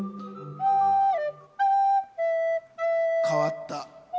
変わった。